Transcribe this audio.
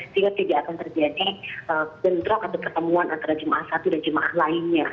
sehingga tidak akan terjadi bentrok atau pertemuan antara jemaah satu dan jemaah lainnya